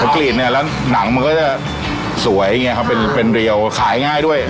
กรีดเนี่ยแล้วหนังมันก็จะสวยอย่างนี้ครับเป็นเป็นเรียวขายง่ายด้วย